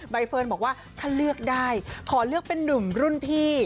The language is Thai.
ใบเฟิร์นบอกว่าถ้าเลือกได้ขอเลือกเป็นนุ่มรุ่นพี่